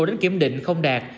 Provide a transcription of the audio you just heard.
đến kiểm định không đạt